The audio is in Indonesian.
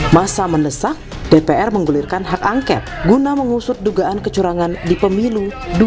masa mendesak dpr menggulirkan hak angket guna mengusut dugaan kecurangan di pemilu dua ribu sembilan belas